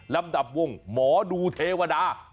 ลำดับวงหมอดูเทวดา